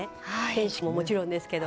天守ももちろんですけど。